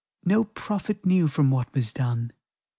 No prophet knew, from what was done.